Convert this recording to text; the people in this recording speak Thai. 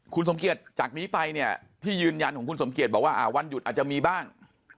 คุณสมเกียจจากนี้ไปเนี่ยที่ยืนยันของคุณสมเกียจบอกว่าวันหยุดอาจจะมีบ้าง